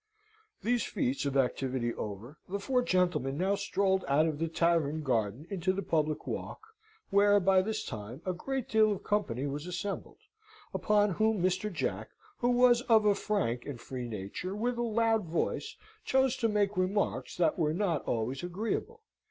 These feats of activity over, the four gentlemen now strolled out of the tavern garden into the public walk, where, by this time, a great deal of company was assembled: upon whom Mr. Jack, who was of a frank and free nature, with a loud voice, chose to make remarks that were not always agreeable.